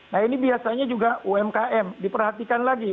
nah ini biasanya juga umkm diperhatikan lagi